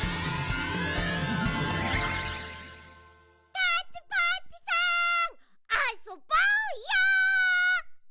タッチパッチさんあそぼうよ！